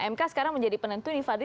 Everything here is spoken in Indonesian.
mk sekarang menjadi penentu nih fadli